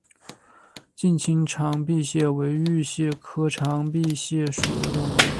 近亲长臂蟹为玉蟹科长臂蟹属的动物。